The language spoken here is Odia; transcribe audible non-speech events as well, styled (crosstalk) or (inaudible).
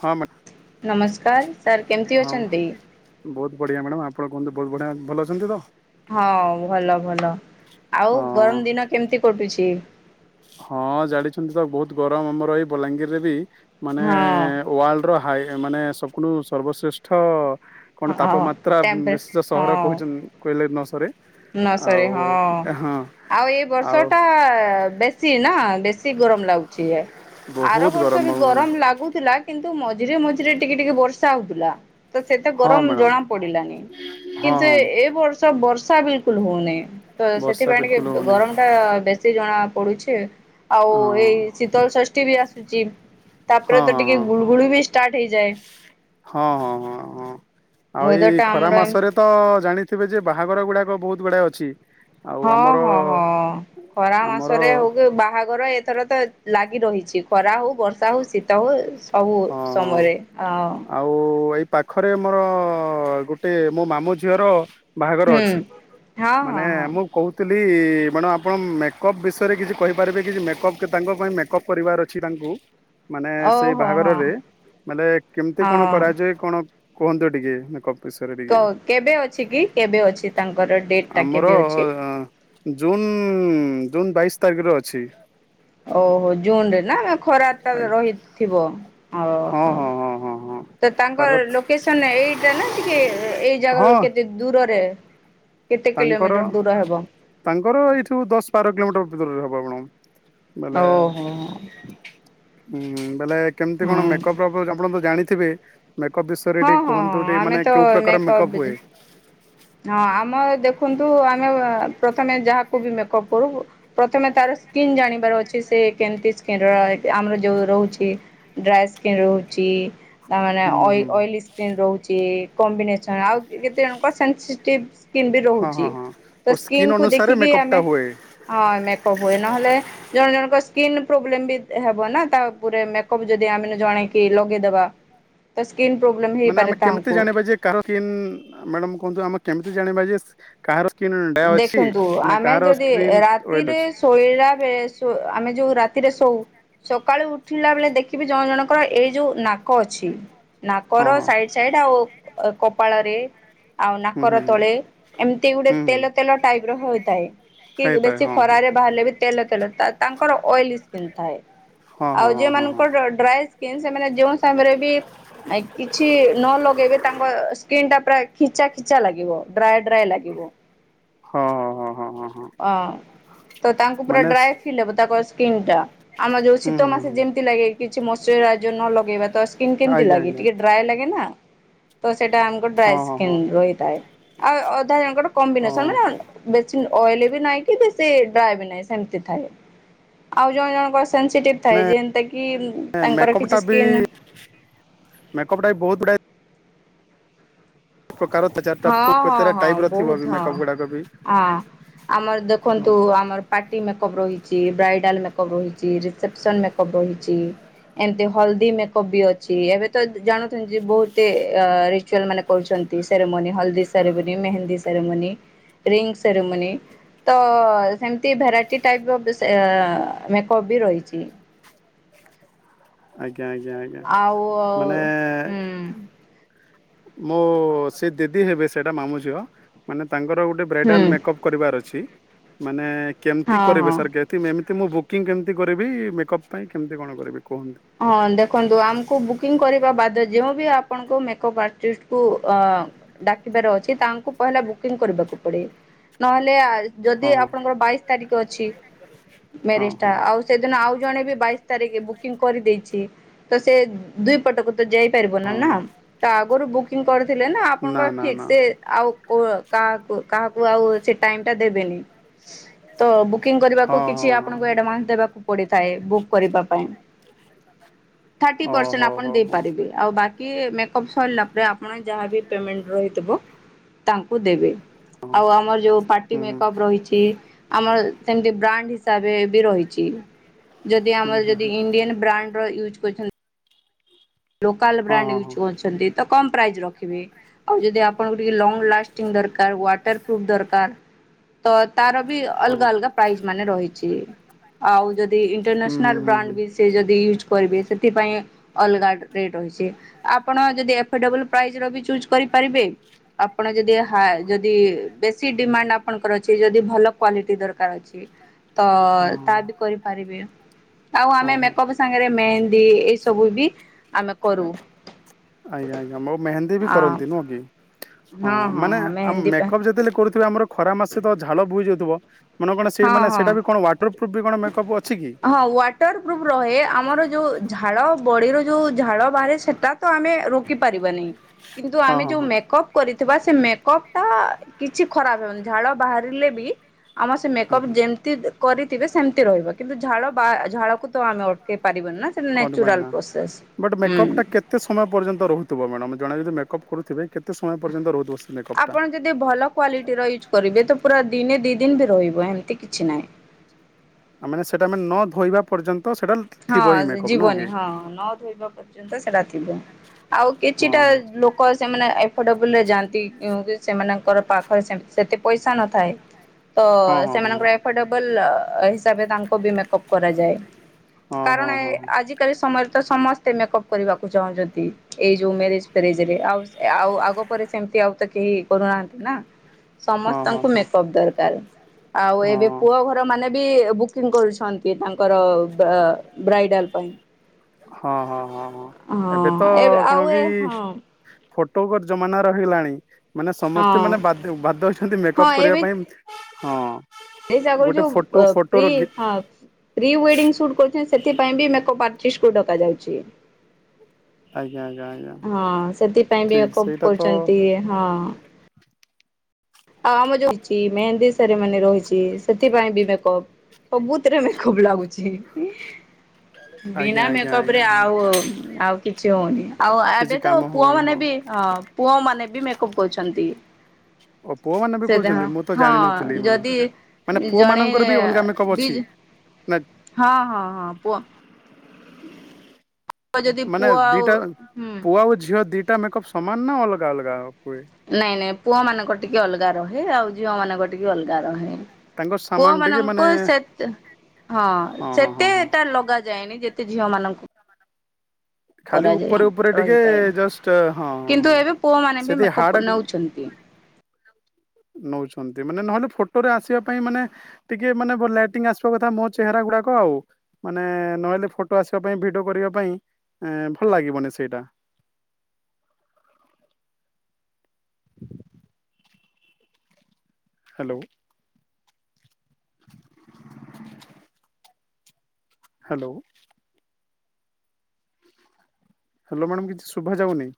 ହଁ ମ୍ୟା ନମସ୍କାର। ସାର୍ କେମିତି ଅଛନ୍ତି? ବହୁତ ବଢିଆ ମ୍ୟାଡ଼ାମ ଆପଣ କୁହନ୍ତୁ ବହୁତ ବଢିଆ ଭଲ ଅଛନ୍ତି ତ। ହଁ ଭଲ ଭଲ। ଆଉ ହଁ ଗମ ଦିନ କେମିତି କଟୁଛି? ହଁ ଜାଣିଛନ୍ତି ତ ବହୁତ ଗରମ ଆମର ଏଇ ବଲାଙ୍ଗୀରରେ ବି ମାନେ ହଁ ୱାଲ ର ହାଏ ମାନେ ସକୁଲୁ ସର୍ବଶ୍ରେଷ୍ଠ। କଣ ହଁ ତାପମାତ୍ରା ଉଁ ଟେମ୍ପେ ବେଶୀ ହଁ ସହର କହୁଛନ୍ କହିଲେ ନ ସରେ। ନ ସରେ ଆଉ ହଁ ହଁ ଆଉ ଏଇ ଆଉ ବର୍ଷଟା ବେ ଶୀ ନା ବେଶୀ ଗରମ ଲାଗୁଛି ଏ ଆର ବହୁତ ବର୍ଷ ବି ବହୁତ ଗରମ ଲାଗୁଥିଲା। କିନ୍ତୁ ମଝିରେ ମଝିରେ ଟିକେ ଟିକେ ବର୍ଷା ହଉଥିଲା ତ ସେତେ ହଁ ଗରମ ମ୍ୟାଡ଼ାମ ଜଣା ପଡିଲାନି ହଁ କିନ୍ତୁ ହଁ ଏ ଏ ବର୍ଷ ବ ଶା ବିଲକୁଲ ହଉନି ତ ବର୍ଷା ସେଥିପାଇଁ ଟିକେ ବିଲକୁଲ ହଉନି ଗ-ଗରମ ଟା ବେଶୀ ଜଣା ପଡୁଛି। ଆଉ ହଁ ଏଇ ଶୀତଳ ଷଷ୍ଠୀ ବି ଆସୁଛି ତାପରେ ହଁ ତ ହଁ ଟିକେ ହଁ ଗୁଳୁ ଗୁଳି ବି ଷ୍ଟାର୍ଟ ହେଇଯାଏ। ହଁ ହଁ ହଁ ହଁ ଆଉ ୱେଦର ଏଇ ଟା ଖରା ଆମର ଏମତି ମାସରେ। ତ ଜାଣିଥିବେ ଯେ ବାହାଘର ଗୁଡାକ ବହୁତ ଗୁଡାଏ ଅଛି। ଆଉ ହଁ ଆମର ହଁ ହଁ ଖରା ଆମର ମାସରେ ହଉ କି ବାହାଘର ଏ ଥର ତ ଲାଗି ରହିଛି ଖରା ହଉ ବର୍ଷା ହଉ ଶୀତ ହଉ ସବୁ ହଁ ସମୟରେ ଆଉ। ଆଉ ଏଇ ପାଖରେ ମୋର ଗୋଟେ ମୋ ମାମୁ ଝିଅର। ବାହାଘର ହୁଁ। ଅଛି ହଁ ମାନେ ହଁ ହଁ ମୁଁ କହୁ ଥିଲି ମ୍ୟାଡ଼ମ ଆପଣ ମେକଅପ ବିଷୟରେ କିଛି କହିପାରିବେ କି ମେକଅପ କେ ତାଙ୍କ ପାଇଁ ମେକଅପ୍ କରିବାର ଅଛି ତାଙ୍କୁ। ମାନେ ସେଇ ଓହୋ ହଁ ବାହାଘରରେ ମାନେ କେମିତି କଣ ହଁ କରାଯାଏ କଣ। କୁହନ୍ତୁ ଟିକେ ମେକପ। କ କେବେ ଅଛି କି କେବେ ଅଛି ତାଙ୍କର ଡେଟ୍ ଟା ଆମର କେବେ ଅଛି? ଜୁନ୍ ଜୁନ୍ ବାଇଶ ତାରିଖରେ ଅଛି। ଓହୋ ଜୁନରେ ନା ଖରା ଟା ଆଜ୍ଞା। ରହିଥିବ। ହଁ ଓହୋ। ହଁ ହଁ ହଁ। ହଁ ତ ପାରଦ ତାଙ୍କର ଲୋକେସନ ଏଇଟା ନା ଟିକେ ଏଇ ଜାଗା ହଁ ରୁ କେତେ। ଦୂରରେ କେତେ ତାଙ୍କର କିଲୋମିଟର ଦୂର ହେବ? ତାଙ୍କର ଏଇଠୁ ଦଶ, ବାର କିଲୋମିଟର ଭିତରରେ ହବ ଆପଣ। ବେଲେ ଓହୋ ଉଁ ବେଲେ। କେମିତି କଣ ହଁ। ମେକଅପର ଆପ ଆପଣ ତ ଜାଣିଥିବେ। ମେକଅପ ବିଷୟରେ ହଁ ଟିକେ ହଁ କୁହନ୍ତୁ ଟିକେ ଆମେ ମାନେ ତ କେଉ ପ୍ରକାର ମେକଅପ୍ ମେକଅପ ବିଜ ହୁଏ। ହଁ ଆମ ଦେଖନ୍ତୁ ଆମେ ପ୍ରଥମେ ଯାହାକୁ ବି ମେକଅପ୍ କରୁ। ପ୍ରଥମେ ତାର ସ୍କିନ୍ ଜାଣିବାର ଅଛି ସେ କେମିତି ସ୍କିନ ର ଏ ଆମର ଯୋଉ ରହୁଛି। ଡ୍ରାଏ ସ୍କିନ୍ ରହୁଛି। ତାମାନେ ହୁଁ ହୁଁ ଅଇ ହୁଁ। ଅଇଲି ସ୍କିନ୍ ରହୁଛି କମ୍ବିନେସନ୍ ଆଉ କେତେ ଜଣଙ୍କ ସେନ୍ସିଟିଭ୍। ସ୍କିନ୍ ବି ହଁ ହଁ ରହୁଛି ହଁ ଓ ତ ସ୍କିନ୍ ସ୍କିନ କୁ ଅନୁସାରେ ଦେଖିକି ମେକଅପ୍ ଟା ଆମେ ହୁଏ। ହଁ ମେକଅପ୍ ହୁଏ ନହେଲେ। ଜଣ ଜଣଙ୍କ ସ୍କିନ୍ ପ୍ରୋବ୍ଲେମ ବି ହେବ ନା ତା ଉପରେ ମେକପ ଯଦି ଆମେ ଜଣେଇକି ଲଗେଇଦବା। ତ ସ୍କିନ୍ ପ୍ରୋବ୍ଲେମ ମାନେ ହେଇପାରେ ଆମେ କେମିତି ତାଙ୍କୁ। ଜାଣିବା ଯେ କାହାର କିମ ଆ ମ୍ୟାଡାମ କୁହନ୍ତୁ ଆମେ କେମିତି ଜାଣିବା ଯେ କାହାର କିମ୍ ଡ଼ାଏ ଅଛି ଦେଖନ୍ତୁ ନା ଆମେ କାହାର ଯଦି ସ୍କ୍ରିମ ଅଏଲ ରାତିରେ ଅଛି। ଶୋଇଲା ବେଳେ ଶୋ ଆମେ ଯୋଉ ରାତିରେ ଶୋଉ ସକାଳୁ ଉଠିଲା ବେଳେ ଦେଖିବେ ଜଣ ଜଣ। କ ଏଇ ଯୋଉ ନାକ ଅଛି ନାକର ହଁ ହଁ ସାଇ ସେଇଟ ଆଉ କପାଳରେ ଆଉ ହୁଁ ନାକର ହୁଁ ତଳେ ଏମିତି ଗୁଡ଼େ ହୁଁ ହୁଁ ହୁଁ ତେଲ ତେଲ ଟାଇପ ର ହୋଇଥାଏ। କି ହେଇଥାଏ ବେଶୀ ହଁ ହଁ ଖରାରେ ବାହାରିଲେ ବି ତେଲ ତେଲ ତାଙ୍କର ଅଏଲି ସ୍କିନ୍ ଥାଏ। ହଁ ଆଉ ହଁ ହଁ ହଁ ହଁ। ଯେଉଁମାନଙ୍କର ଡ୍ରାଇ ସ୍କନ୍ ସେମାନେ ଯୋଉ ସମୟରେ ବି ଆ କିଛି ନ ଲଗେଇବେ ତାଙ୍କ ସ୍କିନ୍ ଟା ପୁରା ଖିଚା ଖିଚା ଲାଗିବ ଡ୍ରାଏ ଡ୍ରାଏ ଲାଗିବ। ହଁ ହଁ ହଁ ହଁ ହଁ। ଅ ତ ତାଙ୍କୁ ପୁରା ମାନେ ଡ୍ରାଇ ଫିଲ୍ ହବ ତାଙ୍କ ସ୍କିନ୍ ଟା। ଆମର ଯୋଉ ହୁଁ ଶୀତ ହୁଁ ମାସେ ହୁଁ ଯେମିତି ଲାଗେ କିଛି ମଇଶ୍ଚରାଇଜର ନ ଲଗେଇବା ତ ସ୍କିନ୍ କେମିତି ଆଜ୍ଞା ଲାଗେ ଆଜ୍ଞା ଟିକେ ଡ୍ରାଏ ଲାଗେ ନା ତ ସେଇଟା ଆମ ହଁ ଡ୍ରଏ ହଁ ହଁ ସ୍କିନ୍ ରହିଥାଏ ଆଉ ଅଧା ଜଣଙ୍କର କମ୍ବିନେସନ ର ହଁ ବେଶୀ ଆଏଲି ନାଇଁ କି ବେଶୀ ଡ୍ରଏ ବି ନାଇଁ ସେମିତି ଥାଏ। ଆଉ ଜଣ ଜଣଙ୍କର ସେନ୍ସିଟିଭ ଥାଏ ଯେନ୍ତା କି ତାଙ୍କର ମେକପ୍ କିଛି ଟା ବି ସ୍କିନ୍ ମେକଅପ୍ ଟା ବି ବହୁତ ଗୁଡ଼ାଏ ପ୍ରକାର ହଁ ହଁ କେତେଟା ହଁ ଟାଇପ ର ଥିବ ବି ବହୁତ ହଁ ମେକଅପ୍ ଗୁଡାକ ବି ଆ ଆମର ଦେଖନ୍ତୁ ଆମର ପାର୍ଟି ମେକଅପ୍ ରହିଚି ବ୍ରାଇଡ଼ାଲ ମେକଅପ୍ ରହିଚି ରିସେପସନ୍ ମେକଅପ୍ ରହିଚି ଏମିତି ହଳଦୀ ମେକପ୍ ବି ଅଛି ଏବେ ତ ଜାଣୁଛନ୍ତି ବହୁତ ଇ ରିଚୁଆଲ ମାନେ କରୁଛନ୍ତି ସେରମାନୀ ହଳଦୀ ceremony, mehndi ceremony, ring ceremony ତ ହେମିତି ଭେରାଇଟି ଟାଇପ ର ଅ ମେକଅପ୍ ବି ରହିଚି। ଆଜ୍ଞା ଆଜ୍ଞା ଆଜ୍ଞା ଆଉ ମାନେ ଏ ହୁଁ ମୋ ସେ ଦିଦି ହେବେ ସେଇଟା ମାମୁ ଝିଅ ମାନେ ତାଙ୍କର ଗୋଟେ ହୁଁ ବ୍ରାଇଡାଲ ମେକପ କରିବାର ଅଛି ମାନେ କେମିତି ହଁ ହଁ। କରିବେ ସାର୍ କେ ଏମିତି ମୁଁ ବୁକିଂ କେମିତି କରିବି ମେକଅପ୍ ପାଇଁ କେମତି କଣ କରିବି କୁହନ୍ତୁ? ହଁ ଦେଖନ୍ତୁ ଆମକୁ ବୁକିଂ କରିବା ବାଦ ଯେଉଁ ବି ଆପଣଙ୍କୁ ମେକଅପ୍ ଆର୍ଟିଷ୍ଟକୁ ଅ ଡାକିବାର ଅଛି ତାଙ୍କୁ ପହଲେ ବୁକିଂ କରିବାକୁ ପଡେ ନହେଲେ ଆ ଯଦି ହଁ ଆପଣଙ୍କର ବାଇଶ ତାରିଖ ଅଛି ହଁ ମ୍ୟାରେଜ ଟା ହଁ ଆଉ ସେଦିନ ଆଉ ଜଣେ ବି ବାଇଶି ତାରିଖ ବୁକିଂ କରିଦେଇଛି ତ ସେ ଦୁଇ ପଟକୁ ତ ଯାଇପାରିବ ହଁ ହଁ ନା ହଁ ତ ଆଗରୁ ବୁକିଂ କରିଥିଲେ ନା ଆପଣଙ୍କର ନା ନା ଫିକ୍ସ ସେ ଆଉ କ ଉ କାହାକୁ କାହାକୁ ଆଉ ସେ ଟାଇମ ଟା ଦେବେନି। ତ ବୁକିଂ କରିବାକୁ ହଁ କିଛି ହଁ ଆପଣଙ୍କୁ ହଁ ଆଡଭାନ୍ସ ଦେବାକୁ ପଡିଥାଏ ବୁକ୍ କରିବା ପାଇଁ। ଥାର୍ଟି ଓ ପରସେଣ୍ଟ ହୋ ଆପଣ ହୋ ହୋ ଦେଇପାରିବେ। ଆଉ ବାକି ମେକଅପ୍ ସରିଲା ପରେ ଆପଣ ଯାହାବି ପେମେଣ୍ଟ ରହିଥିବ ତାଙ୍କୁ ଦେବେ। ଆଉ ଆମର ଯୋଉ ପାର୍ଟି ହୁଁ ହୁଁ ମେକପ ରହିଛି ଆମର ସେମତି ବ୍ରାଣ୍ଡ ହିସାବରେ ବି ରହି ଚି ଯଦି ଆମର ହୁଁ ହୁଁ ହୁଁ ଯଦି ଇଣ୍ଡିଆନ ବ୍ରାଣ୍ଡ ର ୟୁଜ କରୁଛନ୍ତି ଲୋକାଲ ବ୍ରାଣ୍ଡ ହଁ ହଁ ୟୁଜ କରୁଛନ୍ତି ତ କମ ପ୍ରାଇଜ ରଖିବି। ଆଉ ଯଦି ଆପଣଙ୍କୁ ଟିକେ ଲଙ୍ଗଲାଷ୍ଟିଙ୍ଗ ଦରକାର ୱାଟର ପ୍ରୁଫ ଦରକାର ତ ତାର ବି ଅଲଗା ଅଲଗା ପ୍ରାଇଜ ମାନେ ରହିଚି। ଆଉ ଯଦି ହଁ ହୁଁ ଇଣ୍ଟରନ୍ୟାସନାଲ ହୁଁ ବ୍ରାଣ୍ଡ ହୁଁ ହୁଁ ବି ସେ ଯଦି ୟୁଜ୍ କରିବେ ସେଥିପାଇଁ ଅଲଗା ରେଟ୍ ରହିଛି। ଆପଣ ଯଦି ଏଫୋର୍ଡେବଲ ପ୍ରାଇସ ର ବି ଚୁଜ୍ କରିପାରିବେ ଆପଣ ଯଦି ହା ଯଦି ବେ କିଛି ଡିମାଣ୍ଡ ଆପଣଙ୍କର ଅଛି ଯଦି ଭଲ କ୍ଵାଲିଟି ଦରକାର ଅଛି ତ ହଁ ତା ବି କରିପାରିବେ। ଆଉ ଆମେ ହଁ ହଁ ମେକପ ସାଙ୍ଗରେ ମେହେନ୍ଦୀ ଏଇ ସବୁ ବି ଆମେ କରୁ। ଆଜ୍ଞା ଆଜ୍ଞା ମୋଉ ମେନ୍ଦୀ ବି ଆ କରନ୍ତି ନୁଁହ କି। ହଁ ମାନେ ହଁ ଆ ମେହେନ୍ଦୀ ପା ମେକଅପ୍ ଯେତେବେଳେ କରୁଥିବେ ଆମର ଖରା ମାସେ ତ ଝାଲ ବୁହି ଯାଉଥିବ ମାନେ କଣ ସେ ହଁ ମାନେ ହଁ। ସେଇଟା ବି କଣ ୱାଟର ପ୍ରୁଫ୍ ବି କଣ ମେକଅପ୍ ଅଛି କି? ହଁ ୱାଟ୍ ଟରପ୍ରୁଫ୍ ରହେ ଆମର ଯୋଉ ଝାଳ ବଡିର ଯୋଉ ଝାଳ ବାହାରେ ସେଟା ତ ଆମେ ରୋକି ପାରିବାନି କିନ୍ତୁ ହଁ ଆମେ ହଁ ଯୋଉ ହଁ ମେକପ୍ କରିଥିବା ସେ ମେକପ୍ ଟା କିଛି ଖରାପ ହେବନି ଝାଳ ବାହାରିଲେ ବି ଆମର୍ ସେ ମେ ହୁଁ କପ୍ ହୁଁ ଯେମିତି କରିଥିବେ ସେମିତି ରହିବ। କିନ୍ତୁ ଝାଳ ବା ଝାଳକୁ ତ ଆମେ ଅଟକେଇ ପାରିବାନ ନା ସେଟା କଣ ପାଇଁ ନା ନେଚୁରଲ ପ୍ରସେସ ବଟ୍ ହୁଁ। ମେକଅପ୍ ଟା କେତେ ସମୟ ପର୍ଯ୍ୟନ୍ତ ରହୁଥିବ ମ୍ୟାଡାମ୍ ଜଣେ ଯଦଗ ମେକଅପ୍ କରୁଥିବ କେତେ ସମୟ ପର୍ଯ୍ୟନ୍ତ ରହୁଥିବ ସେ ମକପ୍ଟା? ଆପଣ ଯଦି ଭଲ କ୍ଵାଲିଟିର ୟୁଜ୍ କରିବେ ତ ପୁରା ଦିନେ ଦି ଦିନ ବି ରହିବ ହେମିତି କିଛି ନାଇଁ। (unintelligible) ଆ ମାନେ ସେଟା ଆମେ ନ ଧୋଇବା ପର୍ଯ୍ୟନ୍ତ ସେଟା ଲା ହଁ ଯିବନି ହଁ ନ ଧୋଇବା ପର୍ଯ୍ୟନ୍ତ ସେଟା ଥିବ। ଆଉ ହଁ କିଛିଟା ଲୋ କ ସେମାନେ ଏଫର୍ଡେବଲ ରେ ଯାଆନ୍ତିି ଇଉଁ କି ସେମାନଙ୍କର ପାଖ ସେ-ସେତେ ପଇସା ନଥାଏ। ତ ହଁ ହଁ ହଁ ହଁ ସେମାନଙ୍କର ଏଫୋର୍ଡବଲ ହିସାବରେ ତାଙ୍କୁ ବି ମେକପ୍ କରାଯାଏ। ହଁ କାରଣ ହଁ ଏ ହଁ ହଁ। ଆଜିକାଲି ସମୟରେ ତ ସମସ୍ତେ ମେକଅପ୍ କରିବାକୁ ଚାହୁଚନ୍ତି। ଏଇ ଯୋଉ ମ୍ୟାରେଜ୍ ଫ୍ୟାରେଜ୍ ରେ ଆଉ ସେ ଆଉ ଆଗ ପରେ ସେମିତି ଆଉ ତ କେହି କରୁନାହାନ୍ତି ନା ହଁ ହଁ ସମସ୍ତଙ୍କୁ ହଁ ମେକପ୍ ଦରକାର୍। ଆଉ ହଁ ଏବେ ପୁଅ ଘର ର ମାନେ ବି ବୁକିଂ କରୁଛନ୍ତି ତାଙ୍କର ବା ବ୍ରାଇଡାଲ ପାଇଁ ହଁ ହଁ ହଁ ହଁ। ହଁ ଏବେ ଆଉ ଏ ହଁ। ଫଟୋକଟ୍ ଜମାନା ରହିଗଲାଣି। ମାନେ ସମସ୍ତେ ହଁ ମାନେ ବାଦ୍ ବାଧ୍ୟ ହେଉଛନ୍ତି ମେକଅପ୍ କରିବା ପାଇଁ ହଁ। ମ୍ୟାରେଜ୍ ଆଗରୁ ଗୋଟେ ଯୋଉ ଫଟୋ ଅ ଫଟୋ ପ୍ରି ରଖି ହଁ ପ୍ରି ୱେଡିଙ୍ଗ ସୁଟ୍ କରୁଚନ୍ତି ସେଥିପାଇଁ ବି ମେକପ୍ ଆର୍ଟିଷ୍ଟ କୁ ଡକାଯାଉଚି। ଆଜ୍ଞା ଆଜ୍ଞା ଆଜ୍ଞା ହଁ ସେଥିପାଇଁ ବି ଠିକ ଏକପ୍ ସେଇଟା ତ କରୁଚନ୍ତି ହଁ। ଆଉ ଆମ ଯୋ-ହିଛି ମେହେନ୍ଦୀ ସେରିମନି ରହିଚି ସେଥିପାଇଁ ବି ମେକପ୍। ସବୁଥେରେ ମେକପ୍ ଲାଗୁଚି। ଆଜ୍ଞା ବିନା ଆଜ୍ଞା ମେକଅପ ଆଜ୍ଞା ରେ ହଁ ଆଉ ଆଉ କିଛି ହଉନି। ଆଉ ଆ କିଛି ଏବେ ତ କାମ ପୁଅ ହଉନି ମାନେ ବି ହଁ ପୁଅମାନେ ବି ମେକଅପ୍ କରୁଛନ୍ତି। ଓ ପୁଅ ମାନେ ବି ସେ କରୁଛନ୍ତି ମୁଁ ତ ହଁ ଜାଣିନଥିଲି ମାଡାମ୍। ଯଦି ମାନେ ପୁଅ ଜଣେ ମାନଙ୍କର ବି ଅଲଗା ମେକପ୍ ଦି ଅଛି ନା ହଁ ହଁ ହଁ ପୁଅ ଯଦି ମାନେ ପୁଅ ଆଉ ଦିଟା ହୁଁ ପୁଅ ଆଉ ଝିଅ ଦିଟା ମେକଅପ୍ ସମାନ ନା ଅଲଗା ଅଲଗା ହୁଏ? ନାଇଁ ନାଇଁ ପୁଅ ମାନଙ୍କର ଟିକେ ଅଲଗା ରହେ ଆଉ ଝିଅ ମାନଙ୍କର ଟିକେ ଅଲଗା ରହେ। ତାଙ୍କ ସାମାନ ପୁଅ ଟିକେ ମାନେ ମାନଙ୍କୁ ସେତ୍ ହଁ ହଁ ହଁ ହଁ। ସେତେଟା ଲଗାାଯାଏନି ଯେତ୍ ତେ ଝିଅ ମାନଙ୍କୁ ଖାଲି କରାଯାଏ ଉପରେ ଉପରେ ଟିକେ ରହିଥାଏ ଜଷ୍ଟ୍ ହଁ କିନ୍ତୁ ହଁ ଏବେ ପୁଅମାନେ ବି ସେତି ମେକଅପ୍ ହାର୍ଡ କୁ (unintelligible) ନଉଚନ୍ତି ମାନେ ନହେଲେ ଫୋଟୋରେ ଆସିବା ପାଇଁ ମାନେ ଟିକେ ମାନେ ଭଲ୍ ଲାଇଟିଂ ଆସିବା କଥା ମୁହଁ ଚେହେରା ଗୁଡାକ ଆଉ। ମାନେ ନହେଲେ ଫୋଟୋ ଆସିବା ପାଇଁ ଭିଡିଓ କରିବା ପାଇଁ ଏଁ ଭଲ୍ ଲାଗିବନି ସେଇଟା। (unintelligible) ହାଲୋ (unintelligible) ହାଲୋ ହାଲୋ ମାଡାମ୍ କିଛି ଶୁଭାଯାଉନି।